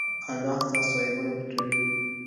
الله ستاسو عیبونه پټوي.